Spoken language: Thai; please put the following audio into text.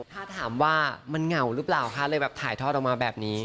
ถ้าถามว่ามันเหงาหรือเปล่าคะเลยแบบถ่ายทอดออกมาแบบนี้